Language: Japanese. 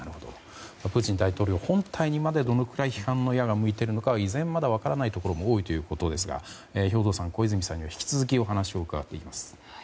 プーチン大統領本体にまでどのくらい批判の矢が向いているのかは依然まだ分からないことも多いという中ですが兵頭さん、小泉さんには引き続きお話を伺っていきます。